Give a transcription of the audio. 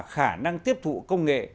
khả năng tiếp thụ công nghệ